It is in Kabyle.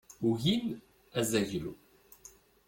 Ugin azaglu.